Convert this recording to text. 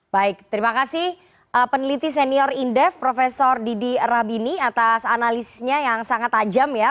baik terima kasih peneliti senior indef prof didi rabini atas analisnya yang sangat tajam ya